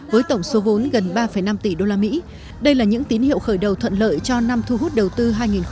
với tổng số vốn gần ba năm tỷ usd đây là những tín hiệu khởi đầu thuận lợi cho năm thu hút đầu tư hai nghìn hai mươi